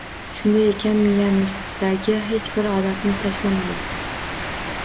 Shunday ekan miyamizdagi hech bir odatni tashlamaylik.